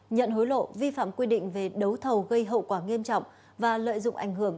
nhận hối lộ vi phạm quy định về đấu thầu gây hậu quả nghiêm trọng và lợi dụng ảnh hưởng